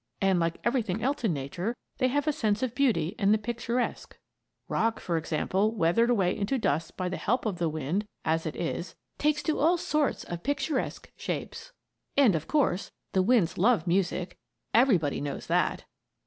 And, like everything else in Nature, they have a sense of beauty and the picturesque. Rock, for example, weathered away into dust by the help of the winds, as it is, takes on all sorts of picturesque shapes. And, of course, the winds love music; everybody knows that.